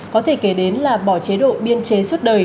có thể kể đến là bỏ chế độ biên chế suốt đời